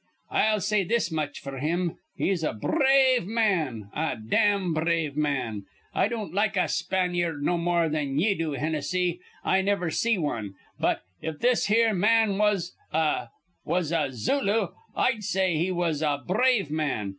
I'll say this much f'r him, he's a brave man, a dam brave man. I don't like a Spanyard no more than ye do, Hinnissy. I niver see wan. But, if this here man was a was a Zulu, I'd say he was a brave man.